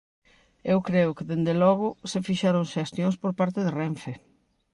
Eu creo que, dende logo, se fixeron xestións por parte de Renfe.